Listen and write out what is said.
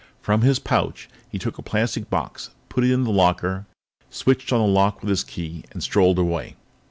From his pouch, he took a plastic box, put it in the locker, switched on the lock with his key, and strolled away.